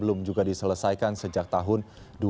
belum juga diselesaikan sejak tahun dua ribu dua belas